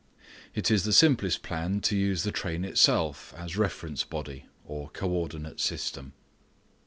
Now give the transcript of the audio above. It is the simplest plan to use the train itself as reference body (co ordinate system).